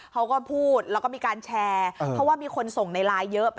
เขาก็พูดแล้วก็มีการแชร์เพราะว่ามีคนส่งในไลน์เยอะ